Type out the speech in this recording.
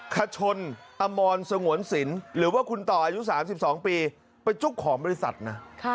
ขชนอมรสงวนสินหรือว่าคุณต่ออายุ๓๒ปีเป็นเจ้าของบริษัทนะ